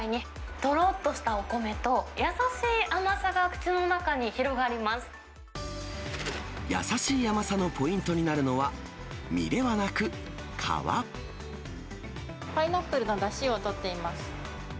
とろっとしたお米と、優しい甘さのポイントになるのは、パイナップルのだしをとっています。